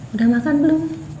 udah makan belum